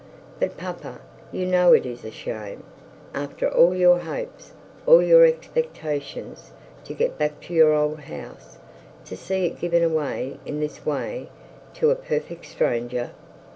'But, papa, you know it is a shame. After all your hopes, all your expectations to get back your old house, to see it given away in this way to a perfect stranger!'